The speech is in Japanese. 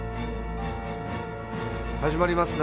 始まりますな。